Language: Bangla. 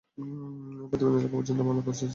এ প্রতিবেদন লেখা পর্যন্ত মামলার প্রস্তুতি চলছিল।